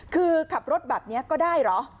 คือขับรถแบบนี้ก็ได้เหรอ